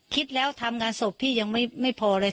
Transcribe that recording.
คิดแล้วทำงานศพพี่ยังไม่พอเลย